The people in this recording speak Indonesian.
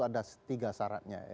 ada tiga syaratnya ya